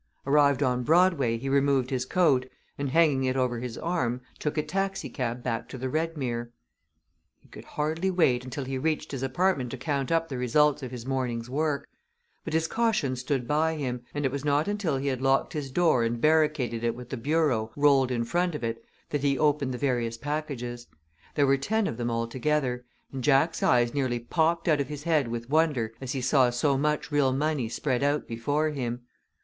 Arrived on Broadway, he removed his coat and, hanging it over his arm, took a taxicab back to the Redmere. He could hardly wait until he reached his apartment to count up the results of his morning's work, but his caution stood by him, and it was not until he had locked his door and barricaded it with the bureau rolled in front of it that he opened the various packages. There were ten of them altogether, and Jack's eyes nearly popped out of his head with wonder as he saw so much real money spread out before him.